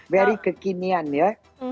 very kekinian ya